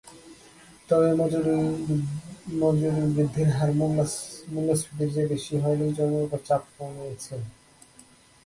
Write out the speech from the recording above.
তবে মজুরি বৃদ্ধির হার মূল্যস্ফীতির চেয়ে বেশি হওয়ায় লোকজনের ওপর চাপ কমেছে।